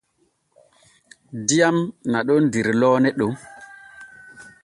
Diyam naɗon der loone ɗon.